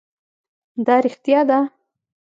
دا رښتيا ده؟